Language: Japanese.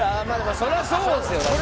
それはそうですよ。